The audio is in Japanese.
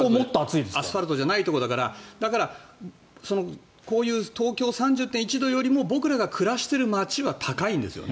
アスファルトじゃないところだからこういう東京、３０．１度よりも僕らが暮らしてる街は高いんですよ。